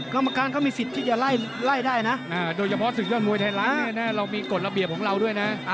กรรมการเขามีสิทธิ์ที่จะไล่ได้นะโดยเฉพาะศึกยอดมวยไทยรัฐเรามีกฎระเบียบของเราด้วยนะ